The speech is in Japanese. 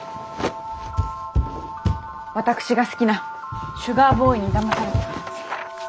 私が好きな「シュガーボーイに騙されて」から。